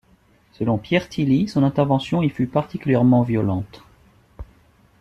Selon Pierre Tilly, son intervention y fut particulièrement violente.